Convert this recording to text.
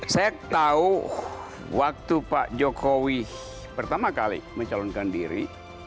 saya tahu waktu pak jokowi pertama kali mencalonkan diri